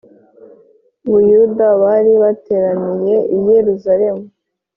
Buyuda bari bateraniye iyeruzaremu